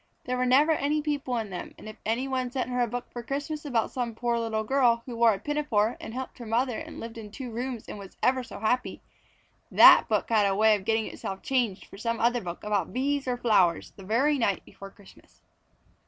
There were never any people in them, and if any one sent her a book at Christmas about some poor little girl who wore a pinafore and helped her mother and lived in two rooms and was ever so happy, that book had a way of getting itself changed for some other book about bees or flowers the very night before Christmas.